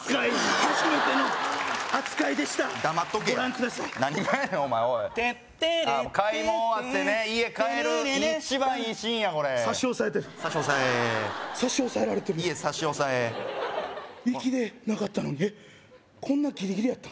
テッテレッテッテ買い物終わってね家帰る一番いいシーンやこれ差し押さえて差し押さえ差し押さえられてるな家差し押さえ行きでなかったのにこんなギリギリやった？